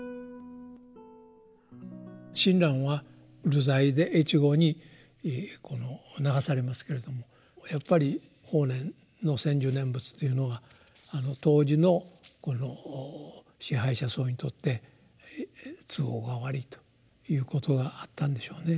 親鸞は流罪で越後に流されますけれどもやっぱり法然の専修念仏というのが当時の支配者層にとって都合が悪いということがあったんでしょうね。